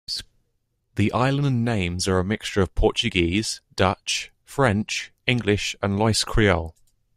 The island names are a mixture of Portuguese, Dutch, French, English and Ilois Creole.